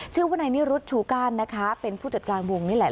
ชื่อว่านายนิรุธชูก้านนะคะเป็นผู้จัดการวงนี่แหละ